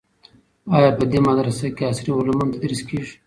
آیا په دې مدرسه کې عصري علوم هم تدریس کیږي؟